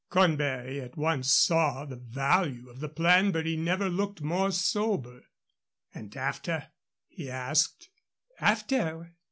Cornbury at once saw the value of the plan, but he never looked more sober. "And after?" he asked. "After?"